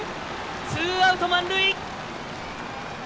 ツーアウト、満塁！